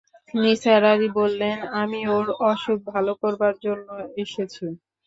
নিসার আলি বললেন, আমি ওর অসুখ ভালো করবার জন্যে এসেছি।